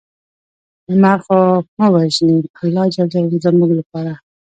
لمر خو مه وژنې الله ج زموږ لپاره